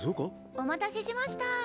お待たせしました。